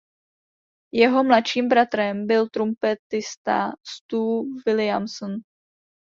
Jeho mladším bratrem byl trumpetista Stu Williamson.